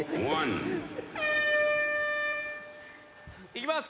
行きます。